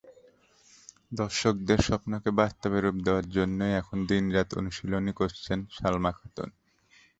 দর্শকদের স্বপ্নকে বাস্তবে রূপ দেওয়ার জন্যই এখন দিনরাত অনুশীলন করছেন সালমা খাতুন।